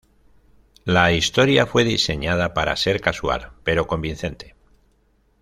La historia fue diseñada para ser casual, pero convincente.